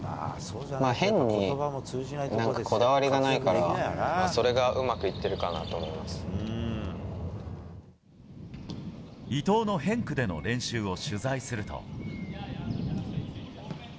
変になんか、こだわりがないから、それがうまくいってるかなと思い伊東のヘンクでの練習を取材すると。